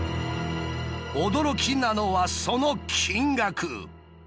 驚きなのはその金額。